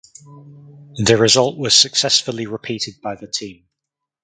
The result was successfully repeated by the team.